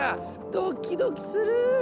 ドキドキする！